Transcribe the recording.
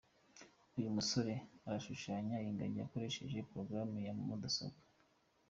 Uyu musore arashushanya ingagi akoresheje ‘program’ ya mudasaobwa.